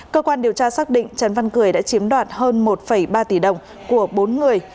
cơ quan điều tra xác định trần văn cười đã chiếm đoạt hơn một ba tỷ đồng của bốn người